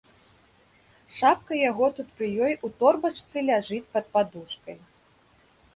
Шапка яго тут пры ёй у торбачцы ляжыць пад падушкай.